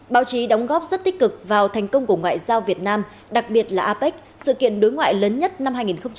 báo chí đóng góp rất tích cực vào thành công của ngoại giao việt nam đặc biệt là apec sự kiện đối ngoại lớn nhất năm hai nghìn một mươi tám